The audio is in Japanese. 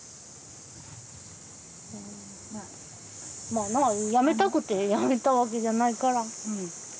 まあなやめたくてやめたわけじゃないから。